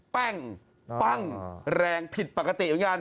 ปั้งปั้งแรงผิดปกติเหมือนกัน